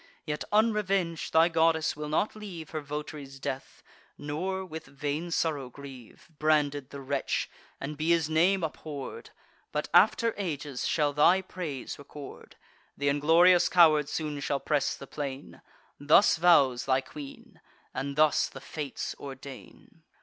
Yet unreveng'd thy goddess will not leave Her vot'ry's death, nor; with vain sorrow grieve. Branded the wretch, and be his name abhorr'd; But after ages shall thy praise record. Th' inglorious coward soon shall press the plain: Thus vows thy queen, and thus the Fates ordain."